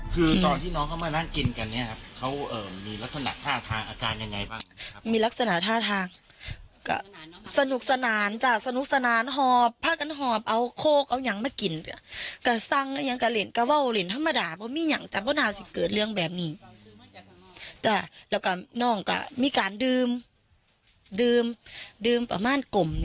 ดื่มกันกับเห็นนอมคือหนึ่งแบบคุณมามา